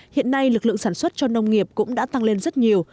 hiện nay lực lượng sản xuất cho nông nghiệp cũng đã tăng lên rất nhiều